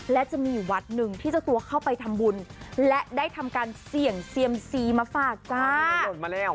และจะมีอยู่วัดหนึ่งที่เจ้าตัวเข้าไปทำบุญและได้ทำการเสี่ยงเซียมซีมาฝากจ้า